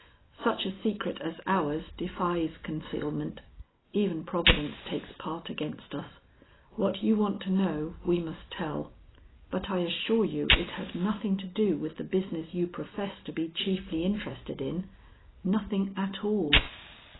"Such a secret as ours defies concealment. Even Providence takes part against us. What you want to know we must tell, but I assure you it has nothing to do with the business you profess to be chiefly interested in nothing at all."